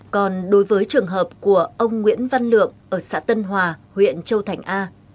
còn đối với trường hợp của ông nguyễn văn lượng ở xã tân hòa huyện châu thành a